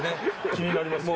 気になりますよね